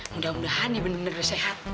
mudah mudahan ya bener bener sehat